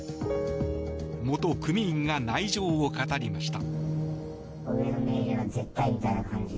元組員が内情を語りました。